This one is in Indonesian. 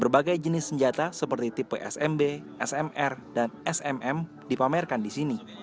berbagai jenis senjata seperti tipe smb smr dan smm dipamerkan di sini